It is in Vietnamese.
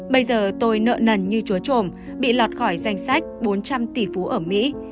bây giờ tôi nợ nần như chúa trồm bị lọt khỏi danh sách bốn trăm linh tỷ phú ở mỹ